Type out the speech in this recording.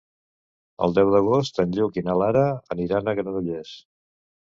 El deu d'agost en Lluc i na Lara aniran a Granollers.